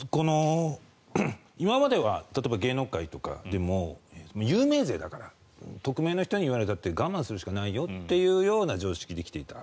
今までは芸能界とかでも有名税だから匿名の人に言われたって我慢するしかないよという常識で来ていた。